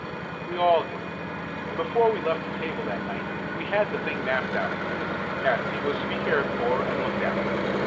We all did. And before we left the table that night we had the thing mapped out. Patsy was to be cared for and looked after.